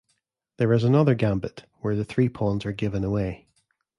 There is another gambit, where three pawns are given away.